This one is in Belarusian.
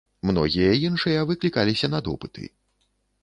Многія іншыя выклікаліся на допыты.